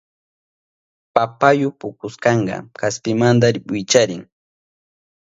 Papayu pukushpanka kaspimanta wicharin.